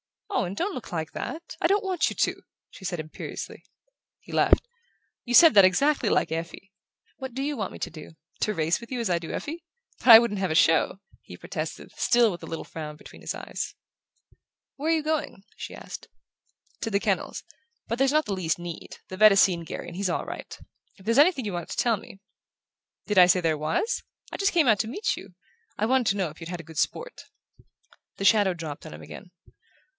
"Owen, don't look like that! I don't want you to!" she said imperiously. He laughed. "You said that exactly like Effie. What do you want me to do? To race with you as I do Effie? But I shouldn't have a show!" he protested, still with the little frown between his eyes. "Where are you going?" she asked. "To the kennels. But there's not the least need. The vet has seen Garry and he's all right. If there's anything you wanted to tell me " "Did I say there was? I just came out to meet you I wanted to know if you'd had good sport." The shadow dropped on him again.